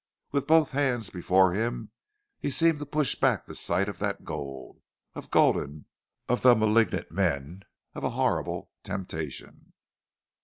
With both hands before him he seemed to push back the sight of that gold, of Gulden, of the malignant men, of a horrible temptation.